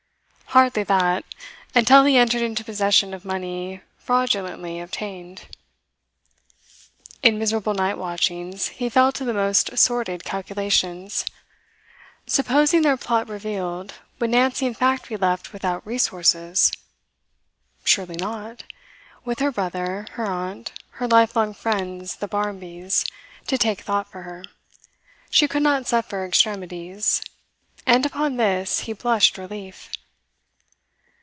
Hardly that until he entered into possession of money fraudulently obtained. In miserable night watchings, he fell to the most sordid calculations. Supposing their plot revealed, would Nancy in fact be left without resources? Surely not, with her brother, her aunt, her lifelong friends the Barmbys, to take thought for her. She could not suffer extremities. And upon this he blushed relief.